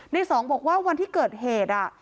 สองบอกว่าวันที่เกิดเหตุ